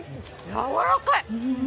やわらかい。